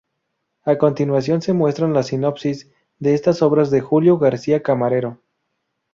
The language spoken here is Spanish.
A continuación se muestran las sinopsis de estas obras de Julio García Camarero.